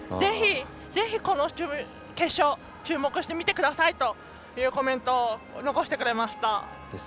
ぜひ、この決勝注目してみてくださいというコメントを残してくれました。